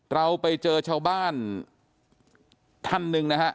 เราไปเจอชาวบ้านท่านหนึ่งนะฮะ